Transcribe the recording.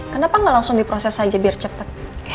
kenapa gak langsung diproses aja biar cepet